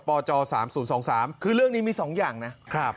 ปจสามศูนย์สองสามคือเรื่องนี้มีสองอย่างนะครับ